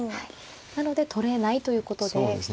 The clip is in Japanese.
なので取れないということで。